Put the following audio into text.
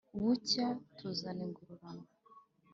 bucya tuzana ingororano,